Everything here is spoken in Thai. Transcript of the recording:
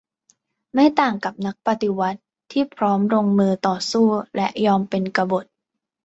ไม่ต่างกับนักปฏิวัติที่พร้อมลงมือต่อสู้และยอมเป็นกบฏ